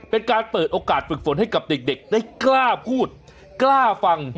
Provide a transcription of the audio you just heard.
เป็นการเปิดโอกาสฝึกฝนให้กับเด็กได้กล้าพูดกล้าฟัง